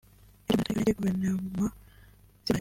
Ibyo Human Rights Watch yandika bica intege Guverinoma z’i Burayi